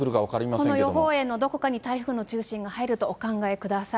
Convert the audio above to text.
この予報円のどこかに台風の中心が入るとお考えください。